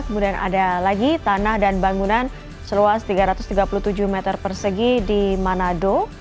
kemudian ada lagi tanah dan bangunan seluas tiga ratus tiga puluh tujuh meter persegi di manado